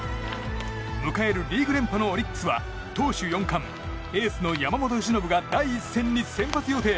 迎えるリーグ連覇のオリックスは投手４冠、エースの山本由伸が第１戦に先発予定。